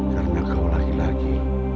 karena kau lagi lagi